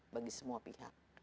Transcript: bagi semua pihak